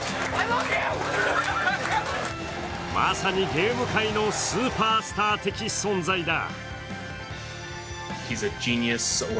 まさにゲーム界のスーパースター的存在だ。